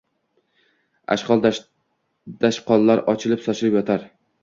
ashqol-dashqollar ochilib-sochilib yotar